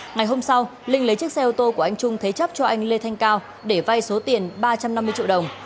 ngày hôm sau linh lấy chiếc xe ô tô của anh trung thế chấp cho anh lê thanh cao để vay số tiền ba trăm năm mươi triệu đồng